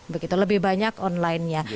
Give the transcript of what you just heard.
begitu lebih banyak onlinenya